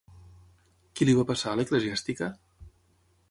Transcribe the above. Què li va passar a l'eclesiàstica?